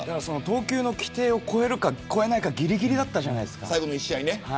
投球の規定を超えるか超えないかぎりぎりだったじゃないですか。